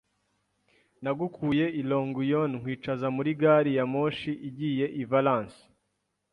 nagukuye i Longuyon; nkwicaza muri gari ya moshi igiye i Valence;